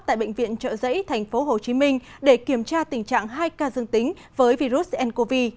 tại bệnh viện trợ giấy tp hcm để kiểm tra tình trạng hai ca dương tính với virus ncov